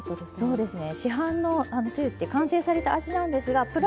そうですね。